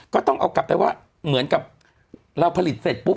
ก็ต้องเอากลับไปว่าเหมือนกับเราผลิตเสร็จปุ๊บ